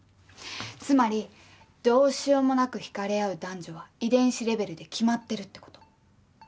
つまりどうしようもなく引かれ合う男女は遺伝子レベルで決まってるってこと。